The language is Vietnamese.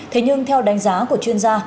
thế nhưng theo đánh giá của chuyên gia